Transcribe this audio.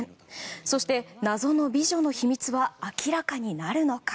そして、謎の美女の秘密は明らかになるのか？